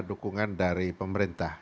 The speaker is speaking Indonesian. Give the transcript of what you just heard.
dukungan dari pemerintah